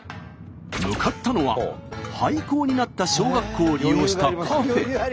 向かったのは廃校になった小学校を利用したカフェ。